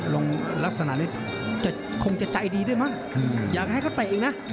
ลักษณะนี้จะคงจะใจดีด้วยมั้งอยากให้เขาเตะอีกนะ